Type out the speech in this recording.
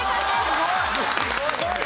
すごい。